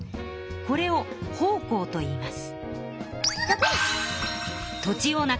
これを奉公といいます。